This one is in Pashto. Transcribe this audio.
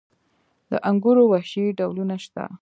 د انګورو وحشي ډولونه شته؟